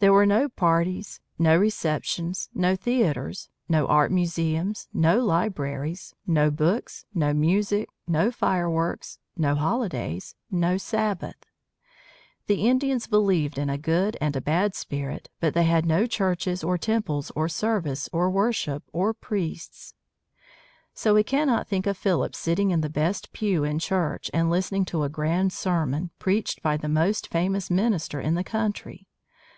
There were no parties, no receptions, no theaters, no art museums, no libraries, no books, no music, no fireworks, no holidays, no Sabbath. The Indians believed in a good and a bad spirit, but they had no churches or temples or service or worship or priests. So we cannot think of Philip sitting in the best pew in church, and listening to a grand sermon, preached by the most famous minister in the country.